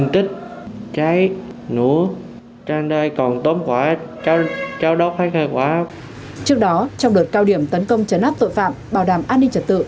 trước đó trong đợt cao điểm tấn công chấn áp tội phạm bảo đảm an ninh trật tự